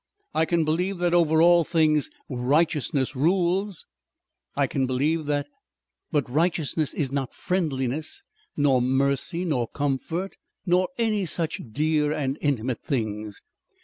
"I can believe that over all things Righteousness rules. I can believe that. But Righteousness is not friendliness nor mercy nor comfort nor any such dear and intimate things.